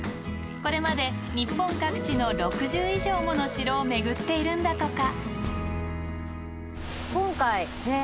これまで日本各地の６０以上もの城を巡っているんだとか。